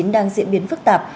đang diễn biến phức tạp